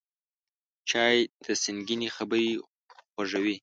چای د سنګینې خبرې خوږوي